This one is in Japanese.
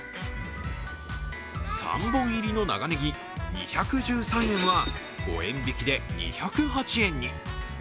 ３本入りの長ねぎ２１３円は５円引きで２０８円に。